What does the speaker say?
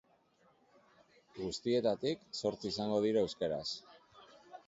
Guztietatik, zortzi izango dira euskaraz.